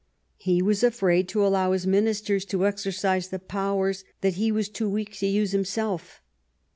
He was afraid to allow his ministers to exercise the powers that he was too weak to use himself.